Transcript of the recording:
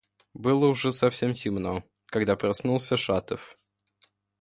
Было уже совсем темно, когда проснулся Шатов.